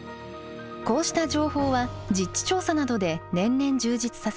こうした情報は実地調査などで年々充実させています。